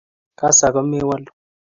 Kas ako mewalu